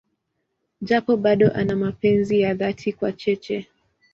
Japo bado ana mapenzi ya dhati kwa Cheche.